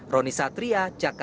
roni satria jakarta